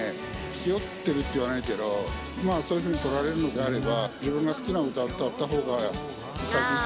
ヒヨってるっていわないけどそういうふうにとられるのであれば自分が好きな歌歌った方が潔いかな。